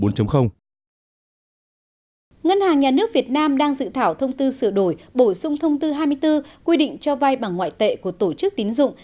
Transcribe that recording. ngân hàng nhà nước việt nam đang dự thảo thông tư sửa đổi bổ sung thông tư hai mươi bốn quy định cho vay bằng ngoại tệ của tổ chức tín dụng